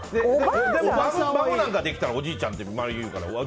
孫なんかできたらおじいちゃんって周りが言うから。